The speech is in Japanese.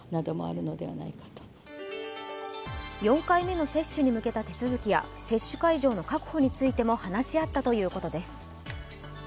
４回目の接種に向けた手続きや接種会場の確保についても話し合ったということです。